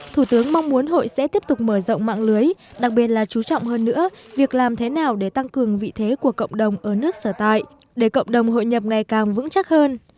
thủ tướng mong muốn hội sẽ tiếp tục mở rộng mạng lưới đặc biệt là chú trọng hơn nữa việc làm thế nào để tăng cường vị thế của cộng đồng ở nước sở tại để cộng đồng hội nhập ngày càng vững chắc hơn